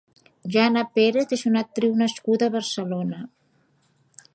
Jana Perez és una actriu nascuda a Barcelona.